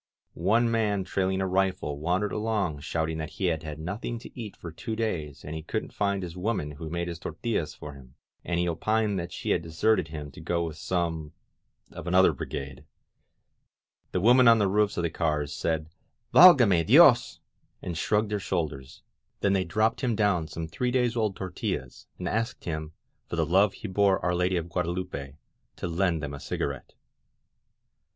. One man trailing a rifle wandered along shouting that he had had nothing to eat for two days and he couldnH find his woman who made his tortillas for him, and he opined that she had deserted him to go with some of another bri gade. .•. The women on the roofs of the cars said, Vdlgame DiosT* and shrugged their shoulders; then they dropped him down some three days old tortUlaSj and asked him, for the love he bore Our Lady of Guade lupe, to lend them a cigarette.